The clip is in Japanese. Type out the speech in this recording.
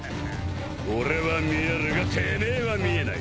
俺は見えるがてめえは見えない。